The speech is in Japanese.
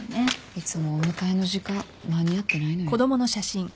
いつもお迎えの時間間に合ってないのよ。